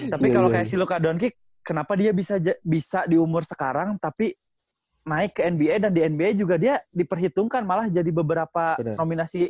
tapi kalau kayak si luka don kick kenapa dia bisa di umur sekarang tapi naik ke nba dan di nba juga dia diperhitungkan malah jadi beberapa nominasi